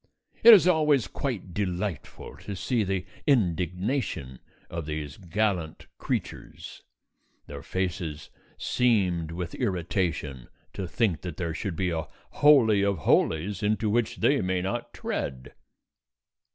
It is always quite delightful to see the indignation of these gallant creatures, their faces seamed with irritation to think that there should be a holy of holies into which they may not tread.